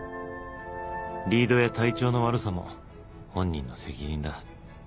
リードや体調の悪さも本人の責任だ。